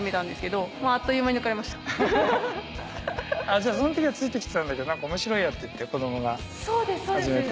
じゃあその時はついて来たんだけど「面白いや」っていって子供が始めて。